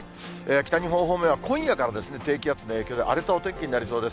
北日本方面は、今夜からですね、低気圧の影響で、荒れたお天気になりそうです。